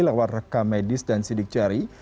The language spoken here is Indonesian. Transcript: lewat rekam medis dan sidik jari